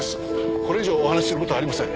これ以上お話しする事はありません。